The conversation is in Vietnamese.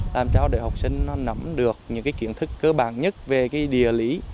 làm cho đại học sinh nó nắm được những kiến thức cơ bản nhất về địa lý